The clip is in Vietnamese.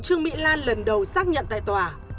trương mỹ lan lần đầu xác nhận tại tòa